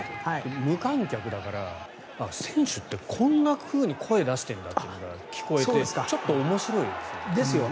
無観客だから選手ってこんなふうに声を出してるんだっていうのが聞こえてちょっと面白いですよね。